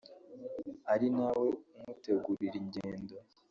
ari nawe umutegurira ingendo